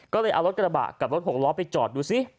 ก็เลยเอารถกระบะกับรถหกล้อไปจอดดูซิ